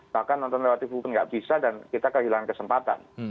bahkan nonton lewat tv pun nggak bisa dan kita kehilangan kesempatan